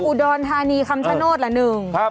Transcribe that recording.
อุดรธานีคำชโนธละหนึ่ง